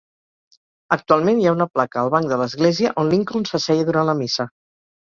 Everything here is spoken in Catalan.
Actualment hi ha una placa al banc de l'església on Lincoln s'asseia durant la missa.